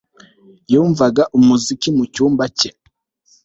Yumvaga umuziki mu cyumba cye